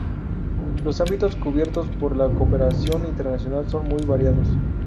Los ámbitos cubiertos por la cooperación internacional son muy variados.